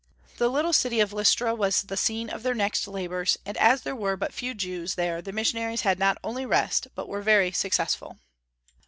The little city of Lystra was the scene of their next labors, and as there were but few Jews there the missionaries not only had rest, but were very successful.